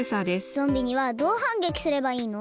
ゾンビにはどうはんげきすればいいの？